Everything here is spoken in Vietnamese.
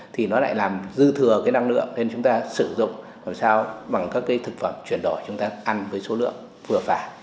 thì nó lại làm dư thừa cái năng lượng nên chúng ta sử dụng làm sao bằng các cái thực phẩm chuyển đổi chúng ta ăn với số lượng vừa phải